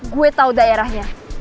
gue tau daerahnya